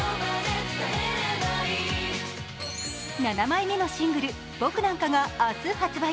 ７枚目のシングル「僕なんか」が明日発売。